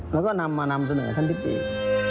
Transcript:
แล้วก็นำมานำเสนอท่านพี่ปีศ